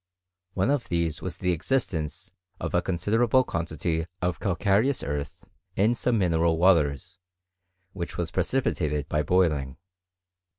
One of tlieie was the existence of a considerable quantity of ealea Teoas earth in some mineral waters, which was precipe tated by boiling.